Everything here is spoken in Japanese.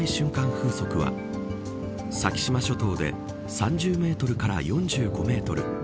風速は先島諸島で３０メートルから４５メートル。